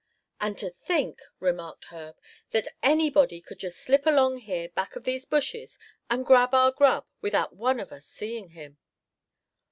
"And to think," remarked Herb, "that anybody could just slip along here back of these bushes, and grab our grub without one of us seeing him."